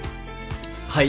はい。